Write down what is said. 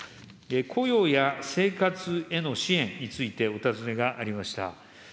雇用や生活への支援について、お尋ねがありました。